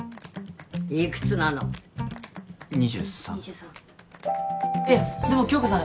いくつなの２３２３いやでも響子さん